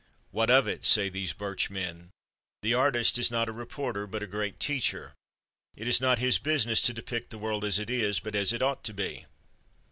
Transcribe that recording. What of it? say these birch men. The artist is not a reporter, but a Great Teacher. It is not his business to depict the world as it is, but as it ought to be.